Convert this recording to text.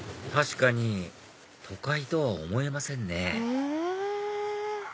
確かに都会とは思えませんねへぇ！